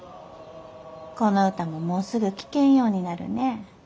この歌ももうすぐ聴けんようになるね。